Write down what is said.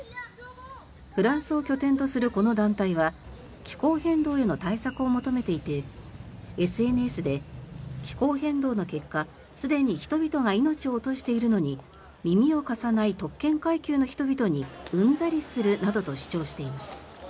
フランスを拠点とするこの団体は気候変動への対策を求めていてＳＮＳで、気候変動の結果すでに人々が命を落としているのに耳を貸さない特権階級の人々にうんざりするなどと主張しています。